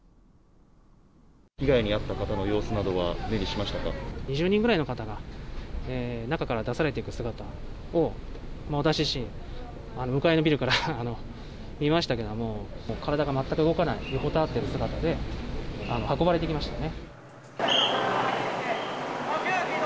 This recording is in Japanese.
被害に遭った方の様子などは２０人ぐらいの方が、中から出されていく姿を私自身、向かいのビルから見ましたけど、もう体が全く動かない、横たわっている姿で運ばれていきましたね。